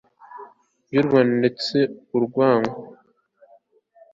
y u rwanda ndetse urwango